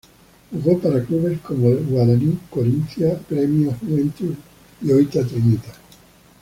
Jugó para clubes como el Guarani, Corinthians, Grêmio, Juventus y Oita Trinita.